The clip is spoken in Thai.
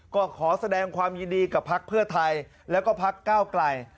ก็ขอแสดงความยินดีกับพักเพื่อไทยแล้วก็พักก้าวไกล